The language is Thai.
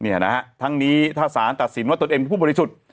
เนี่ยนะฮะทั้งนี้ถ้าสารตัดสินว่าตนเองเป็นผู้บริสุทธิ์